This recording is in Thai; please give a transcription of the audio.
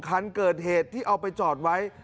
คันเกิดเหตุที่เอาไปจอดไว้